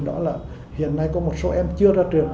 đó là hiện nay có một số em chưa ra trường